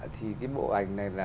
thì cái bộ ảnh này